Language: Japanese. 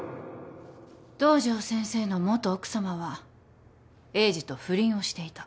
堂上先生の元奥さまは栄治と不倫をしていた。